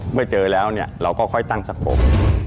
เมื่อเจอแล้วเราก็ค่อยตั้งสะโขล